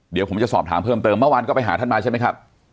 เดี๋ยวผมจะสอบถามเพิ่มเติมเมื่อวานก็ไปหาท่านมาใช่ไหมครับ